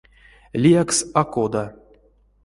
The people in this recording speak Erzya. Лиякс а кода.